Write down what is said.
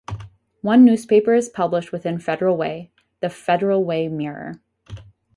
One newspaper is published within Federal Way, The "Federal Way Mirror".